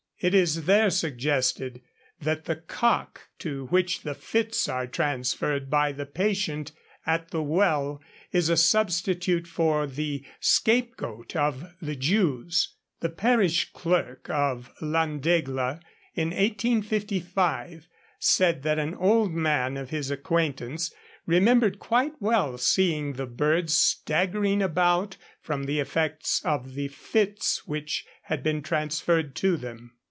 It is there suggested that the cock to which the fits are transferred by the patient at the well is a substitute for the scapegoat of the Jews. The parish clerk of Llandegla in 1855 said that an old man of his acquaintance 'remembered quite well seeing the birds staggering about from the effects of the fits' which had been transferred to them.